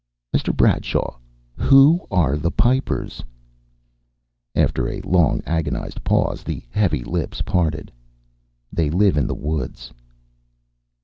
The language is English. "Mr. Bradshaw, who are the Pipers?" After a long, agonized pause, the heavy lips parted. "They live in the woods...."